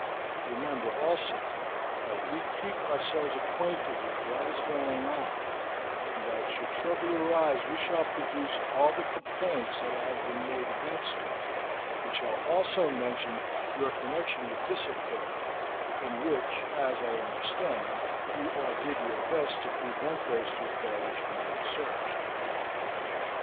Remember, also, that we keep ourselves acquainted with what is going on, and that should trouble arise we shall produce all the complaints that have been made against you, and shall also mention your connection with this affair, in which, as I understand, you all did your best to prevent those two fellows from being searched."